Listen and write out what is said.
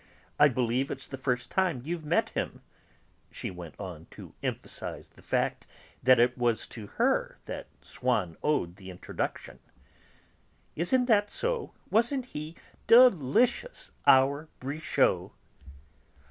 I believe it's the first time you've met him," she went on, to emphasize the fact that it was to her that Swann owed the introduction. "Isn't that so; wasn't he delicious, our Brichot?"